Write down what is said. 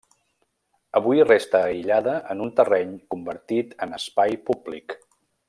Avui resta aïllada en un terreny convertit en espai públic.